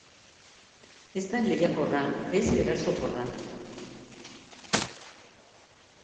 Ez da lehiakorra, ez erasokorra.